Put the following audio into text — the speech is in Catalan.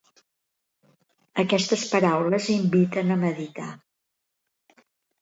Aquestes paraules inviten a meditar.